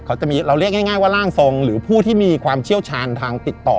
เขาจะมีเราเรียกง่ายว่าร่างทรงหรือผู้ที่มีความเชี่ยวชาญทางติดต่อ